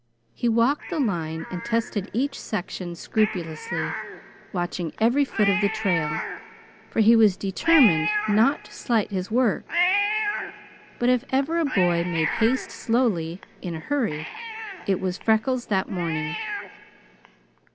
He walked the line and tested each section scrupulously, watching every foot of the trail, for he was determined not to slight his work; but if ever a boy "made haste slowly" in a hurry, it was Freckles that morning.